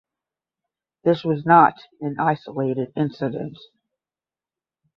This was not an isolated incident.